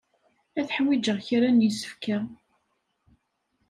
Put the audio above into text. Ad ḥwijeɣ kra n yisefka.